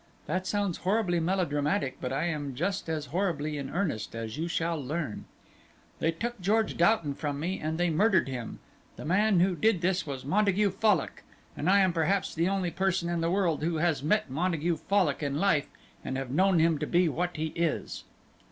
That sounds horribly melodramatic, but I am just as horribly in earnest, as you shall learn. They took George Doughton from me and they murdered him; the man who did this was Montague Fallock, and I am perhaps the only person in the world who has met Montague Fallock in life and have known him to be what he is."